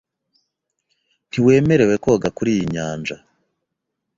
Ntiwemerewe koga kuriyi nyanja .